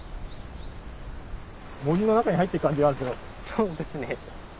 そうですね。